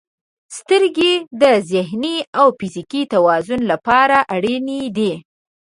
• سترګې د ذهني او فزیکي توازن لپاره اړینې دي.